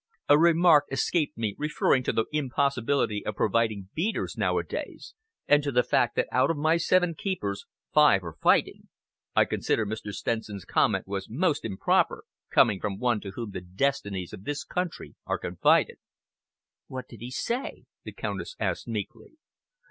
A remark escaped me referring to the impossibility of providing beaters, nowadays, and to the fact that out of my seven keepers, five are fighting. I consider Mr. Stenson's comment was most improper, coming from one to whom the destinies of this country are confided." "What did he say?" the Countess asked meekly.